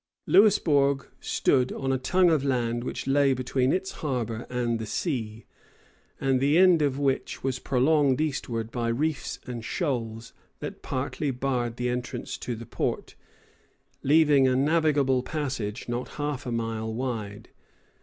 Louisbourg stood on a tongue of land which lay between its harbor and the sea, and the end of which was prolonged eastward by reefs and shoals that partly barred the entrance to the port, leaving a navigable passage not half a mile wide.